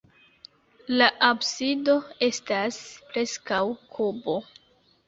La absido estas preskaŭ kubo.